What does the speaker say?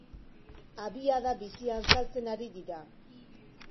Abiada bizian saltzen ari dira.